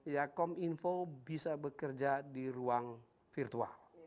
ya kom info bisa bekerja di ruang virtual